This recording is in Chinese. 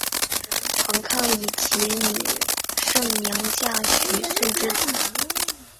彭抗以其女胜娘嫁许逊之子。